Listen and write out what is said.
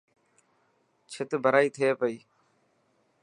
ڇٿ ڀرائي ٿي پئي.